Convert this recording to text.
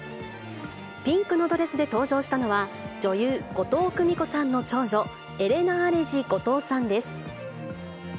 ピンクのドレスで登場したのは、女優、後藤久美子さんの長女、エレナ・アレジ・後藤さんです。